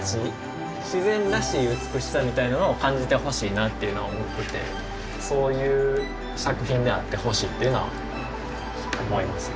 自然らしい美しさみたいなのを感じてほしいなっていうのは思っててそういう作品であってほしいっていうのは思いますね